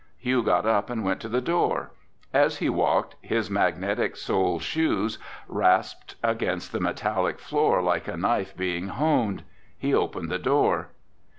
Hugh got up and went to the door. As he walked, his magnetic sole shoes rasped against the metallic floor like a knife being honed. He opened the door.